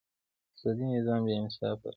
سودي نظام بېانصافه دی.